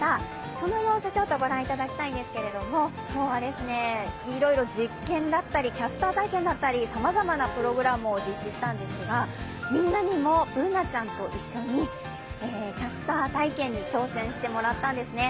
その様子ご覧いただきたいんですが今日はいろいろ実験だったりキャスター体験だったりさまざまなプログラムを実施したんですがみんなにもＢｏｏｎａちゃんと一緒にキャスター体験に挑戦してもらったんですね。